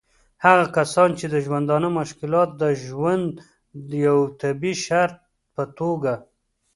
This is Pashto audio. هغه کسان چې د ژوندانه مشکلات د ژوند د یوه طبعي شرط په توګه